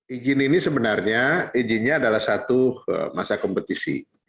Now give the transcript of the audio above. izin ini sebenarnya izinnya adalah satu masa kompetisi